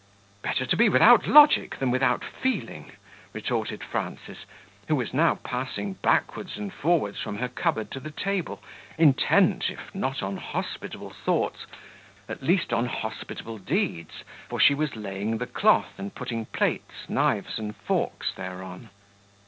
"Better to be without logic than without feeling," retorted Frances, who was now passing backwards and forwards from her cupboard to the table, intent, if not on hospitable thoughts, at least on hospitable deeds, for she was laying the cloth, and putting plates, knives and forks thereon.